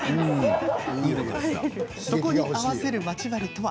そこに合わせるまち針は。